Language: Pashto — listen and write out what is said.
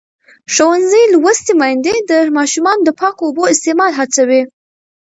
ښوونځې لوستې میندې د ماشومانو د پاکو اوبو استعمال هڅوي.